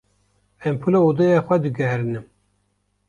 Empûla odeya xwe diguherînim.